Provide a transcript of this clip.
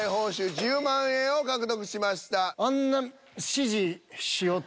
１０万円を獲得しました。